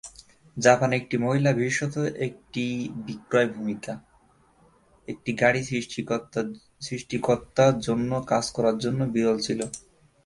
জাপানের একটি মহিলা বিশেষত একটি বিক্রয় ভূমিকা, একটি গাড়ী সৃষ্টিকর্তা জন্য কাজ করার জন্য বিরল ছিল।